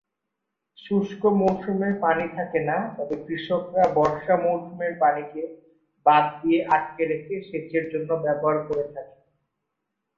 শুষ্ক মৌসুমে পানি থাকে না, তবে কৃষকরা বর্ষা মৌসুমের পানিকে বাঁধ দিয়ে আটকে রেখে সেচের জন্য ব্যবহার করে থাকে।